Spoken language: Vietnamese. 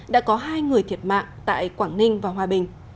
đã có hai người thiệt mạng tại quảng ninh và hòa bình